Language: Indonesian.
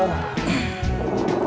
nanti aku coba